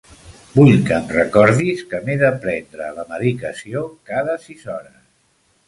Vull que em recordis que m'he de prendre la medicació cada sis hores.